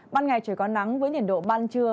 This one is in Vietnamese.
ban ngày trời có nắng với nhiệt độ ban trưa